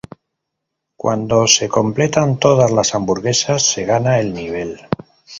Cuando se completan todas las hamburguesas se gana el nivel.